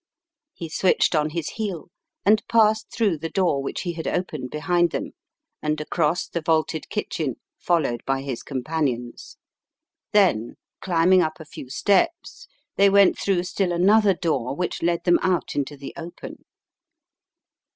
He switched on his heel, and passed through the door which he had opened behind them and across the vaulted kitchen, followed by his companions. Then, climbing up a few steps, they went through still another door which led them out into the open.